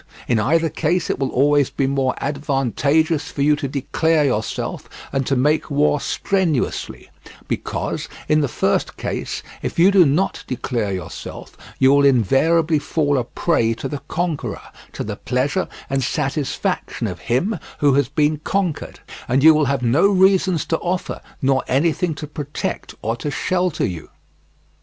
In either case it will always be more advantageous for you to declare yourself and to make war strenuously; because, in the first case, if you do not declare yourself, you will invariably fall a prey to the conqueror, to the pleasure and satisfaction of him who has been conquered, and you will have no reasons to offer, nor anything to protect or to shelter you.